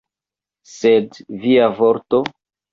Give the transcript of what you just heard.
Sed via vorto?